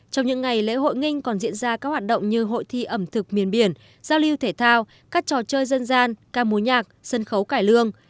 trong những ngày lễ hội nghinh còn diễn ra các hoạt động như hội thi ẩm thực miền biển giao lưu thể thao các trò chơi dân gian ca mối nhạc sân khấu cải lương